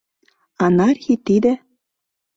Анархий тиде!..